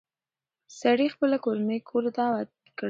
سړي خپله کورنۍ کور ته دعوت کړه.